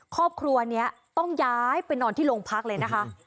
ครอบครัวนี้ต้องย้ายไปนอนที่โรงพักเลยนะคะ